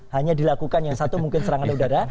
hanya dilakukan yang satu mungkin serangan udara